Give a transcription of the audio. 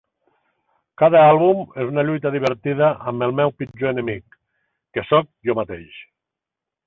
Cada àlbum és una lluita divertida amb el meu pitjor enemic, que sóc jo mateix.